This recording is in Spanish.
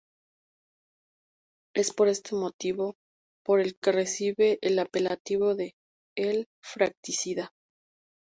Es por este motivo por el que recibe el apelativo de "el Fratricida".